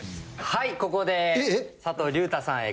はいここで佐藤隆太さんへ。